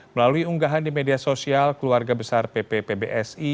melalui unggahan di media sosial keluarga besar pp pbsi